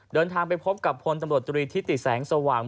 เดินทางไปพบกับพลตำรวจตรีทิติแสงสว่าง